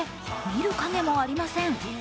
見る影もありません。